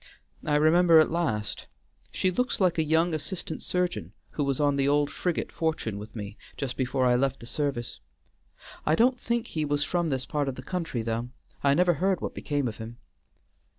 I remember at last; she looks like a young assistant surgeon who was on the old frigate Fortune with me just before I left the service. I don't think he was from this part of the country though; I never heard what became of him."